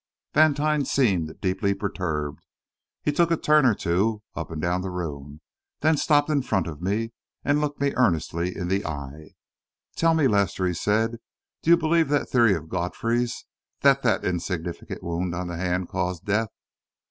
Vantine seemed deeply perturbed. He took a turn or two up and down the room, then stopped in front of me and looked me earnestly in the eye. "Tell me, Lester," he said, "do you believe that theory of Godfrey's that that insignificant wound on the hand caused death?"